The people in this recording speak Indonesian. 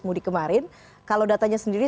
mudik kemarin kalau datanya sendiri